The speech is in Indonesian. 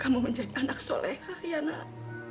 kamu menjadi anak soleha ya nak